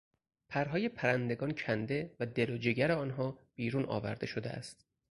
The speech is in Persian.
پرهای پرندگان کنده و دل و جگر آنها بیرون آورده شده است.